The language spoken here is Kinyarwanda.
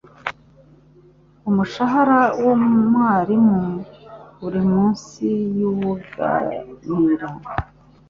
Umushahara wa mwarimu uri munsi yuwunganira.